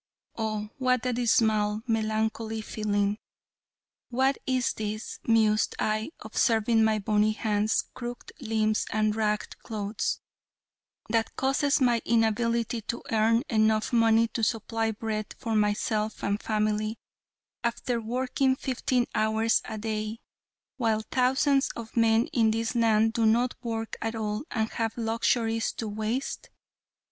Oh, what a dismal, melancholy feeling. "What is it," mused I, observing my bony hands, crooked limbs and ragged clothes, "that causes my inability to earn enough money to supply bread for myself and family, after working fifteen hours a day, while thousands of men in this land do not work at all and have luxuries to waste?